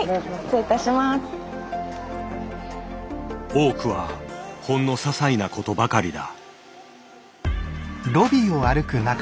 多くはほんのささいなことばかりだ。